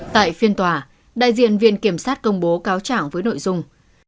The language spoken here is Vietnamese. tại phiên tòa đại diện viện kiểm sát công bố cáo chẳng với nội dung